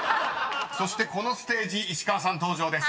［そしてこのステージ石川さん登場です］